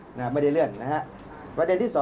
เพราะฉะนั้นไปได้รับจดหมายชอบแรกคือวันที่๒๔นะครับ